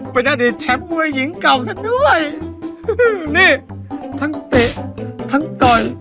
เป็นอดีตแชมป์มวยหญิงเก่าซะด้วยนี่ทั้งเตะทั้งต่อย